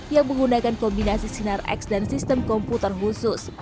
yang menggunakan kombinasi sinar x dan sistem komputer khusus